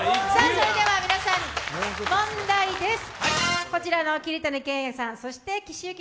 それでは皆さん、問題です。